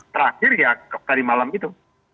terakhir ya tadi malam itu